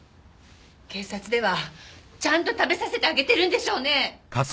警察ではちゃんと食べさせてあげてるんでしょうね？